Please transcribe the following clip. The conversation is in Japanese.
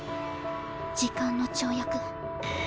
時間の跳躍。